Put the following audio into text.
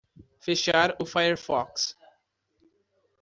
Fechar o firefox